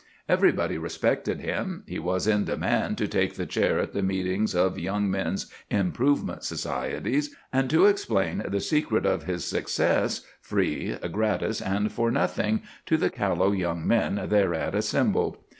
Everybody respected him. He was in demand to take the chair at the meetings of young men's improvement societies, and to explain the secret of his success "free, gratis, and for nothing" to the callow young men thereat assembled.